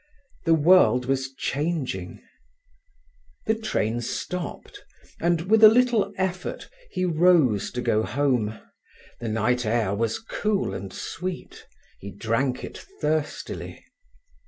The world was changing. The train stopped, and with a little effort he rose to go home. The night air was cool and sweet. He drank it thirstily.